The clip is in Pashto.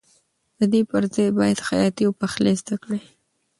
د دې پر ځای باید خیاطي او پخلی زده کړې.